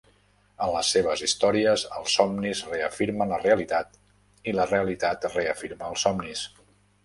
En les seves històries, els somnis reafirmen la realitat i la realitat reafirma els somnis.